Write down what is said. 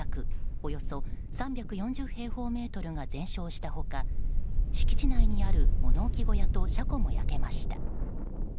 およそ３４０平方メートルが全焼した他敷地内にある物置小屋と車庫も焼けました。